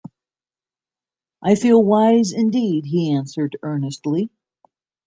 "I feel wise, indeed," he answered, earnestly.